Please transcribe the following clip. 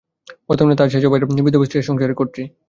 বর্তমানে তাঁহার সেজ ভাইয়ের বিধবা স্ত্রী এ সংসারের কত্রী।